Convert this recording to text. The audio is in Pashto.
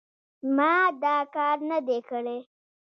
ما دا کار نه دی کړی.